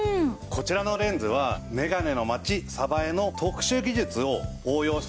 こちらのレンズはメガネの街江の特殊技術を応用して作られたものなんですね。